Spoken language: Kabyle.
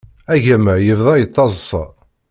Agama yebda yettaḍsa.